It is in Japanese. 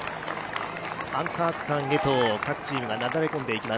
アンカーへと各チームが流れ込んでいきます。